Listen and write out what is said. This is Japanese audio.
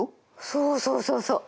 そうそうそうそう。